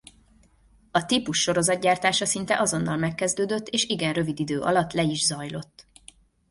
A típus sorozatgyártása szinte azonnal megkezdődött és igen rövid idő alatt le is zajlott.